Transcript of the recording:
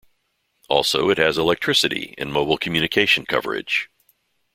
Also it has electricity and mobile communication coverage.